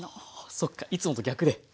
そっかいつもと逆で。